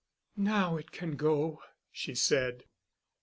"Now it can go," she said.